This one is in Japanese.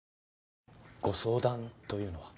ご相談というのは？